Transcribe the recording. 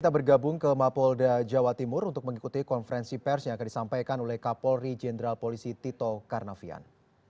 kita bergabung ke mapolda jawa timur untuk mengikuti konferensi pers yang akan disampaikan oleh kapolri jenderal polisi tito karnavian